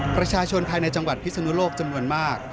ประชาชนภายในจังหวัดพิศนุโลกจำนวนมาก